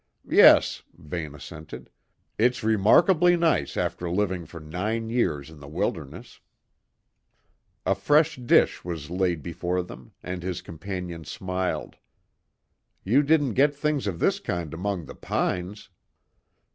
"Yes," Vane assented; "it's remarkably nice after living for nine years in the wilderness." A fresh dish was laid before him, and his companion smiled. "You didn't get things of this kind among the pines."